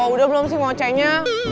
udah belum sih ngocehnya